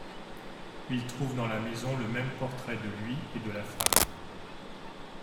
Il trouve dans la maison le même portrait de lui et de la femme.